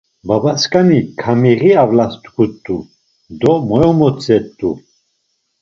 Babasǩani Ǩamiği avlas dgut̆u do moyomotzet̆u.